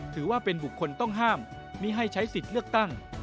ถือว่าเป็นบุคคลต้องห้ามไม่ให้ใช้สิทธิ์เลือกตั้ง